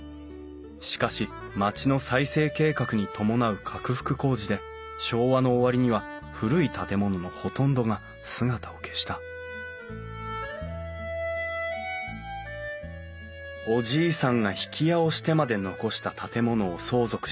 しかし町の再生計画に伴う拡幅工事で昭和の終わりには古い建物のほとんどが姿を消したおじいさんが曳家をしてまで残した建物を相続した後藤さん。